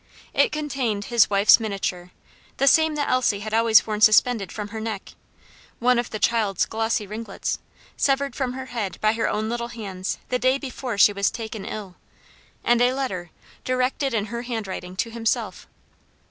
It contained his wife's miniature the same that Elsie had always worn suspended from her neck one of the child's glossy ringlets, severed from her head by her own little hands the day before she was taken ill and a letter, directed in her handwriting to himself.